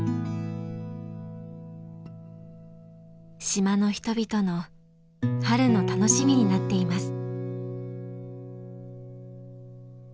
島の人々の春の楽しみになっています。